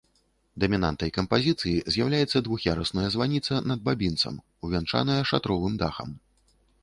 Дамінантай кампазіцыі з'яўляецца двух'ярусная званіца над бабінцам, увянчаная шатровым дахам.